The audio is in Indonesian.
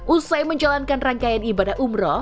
usai menjalankan rangkaian ibadah umroh